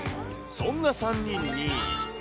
そんな３人に。